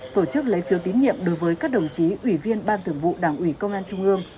tổ chức lấy phiếu tín nhiệm đối với các đồng chí ủy viên ban thường vụ đảng ủy công an trung ương